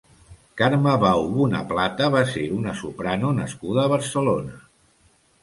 Carme Bau Bonaplata va ser una soprano nascuda a Barcelona.